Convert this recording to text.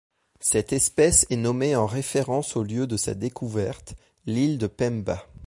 Cette espèce est nommée en référence au lieu de sa découverte, l'île de Pemba.